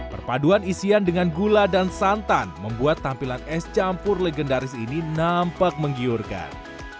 perpaduan isian dengan gula dan santan membuat tampilan es campur legendaris ini nampak menggiurkan